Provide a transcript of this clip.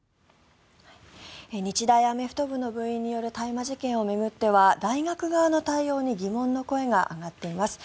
日大アメフト部の部員による大麻事件を巡っては大学側の対応に疑問の声が上がっています。